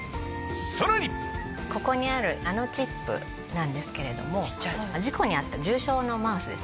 さらにここにあるナノチップなんですけれども事故に遭った重傷のマウスですね